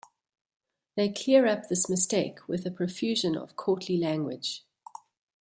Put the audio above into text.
They clear up this mistake with a profusion of courtly language.